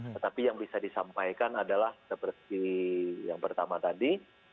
tetapi yang bisa disampaikan adalah seperti yang pertama tadi